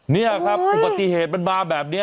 นี่ครับอุบัติเหตุมันมาแบบนี้